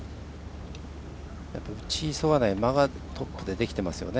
打ち急がない間がトップでできていますよね。